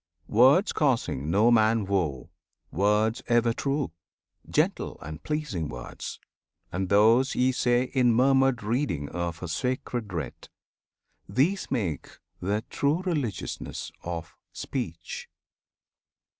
Words causing no man woe, words ever true, Gentle and pleasing words, and those ye say In murmured reading of a Sacred Writ, These make the true religiousness of Speech.